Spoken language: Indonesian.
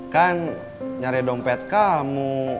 kan nyari dompet kamu